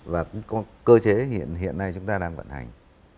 và cơ chế hiện nay chúng ta đang vận hành